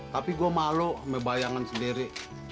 tapi gue malu sama bayangan sendiri